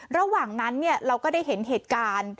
ระหว่างนั้นเราก็ได้เห็นเหตุการณ์